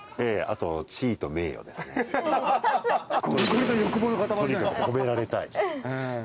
とにかく褒められたい。